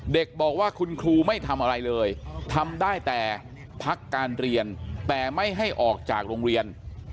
เด็กบอกว่าคุณครูไม่ทำอะไรเลยทำได้แต่พักการเรียนแต่ไม่ให้ออกจากโรงเรียน